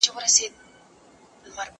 نه هوس د ميراث پاته كم او لوى ته